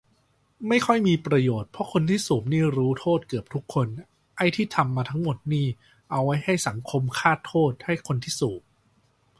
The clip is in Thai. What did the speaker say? ไม่ค่อยมีประโยชน์ เพราะคนที่สูบนี่รู้โทษเกือบทุกคน ไอ้ที่ทำมาทั้งหมดนี่เอาไว้ให้สังคมคาดโทษให้คนที่สูบ